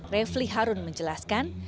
revli harun menjelaskan